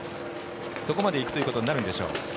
そこまで行くということになるんでしょう。